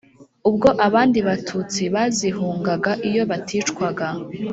ubwo abandi batutsi bazihunganga iyo baticwaga.